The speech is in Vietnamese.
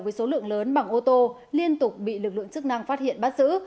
với số lượng lớn bằng ô tô liên tục bị lực lượng chức năng phát hiện bắt giữ